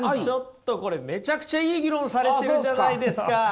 ちょっとこれめちゃくちゃいい議論されてるじゃないですか！